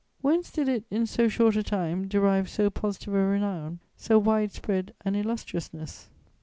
"Whence did it, in so short a time, derive so positive a renown, so wide spread an illustriousness?